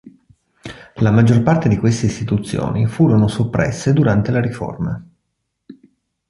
La maggior parte di queste istituzioni furono soppresse durante la Riforma.